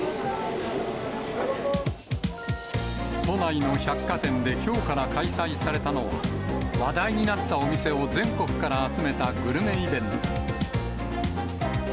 都内の百貨店できょうから開催されたのは、話題になったお店を全国から集めたグルメイベント。